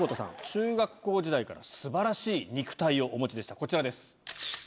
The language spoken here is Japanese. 中学校時代から素晴らしい肉体をお持ちでしたこちらです。